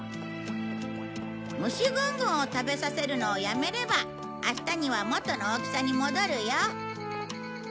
虫ぐんぐんを食べさせるのをやめれば明日には元の大きさに戻るよ。